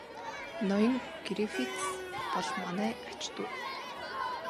Ноён Грифитс бол манай ач дүү.